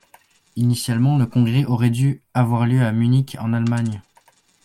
Initialement, le congrès aurait dû avoir lieu à Munich, en Allemagne.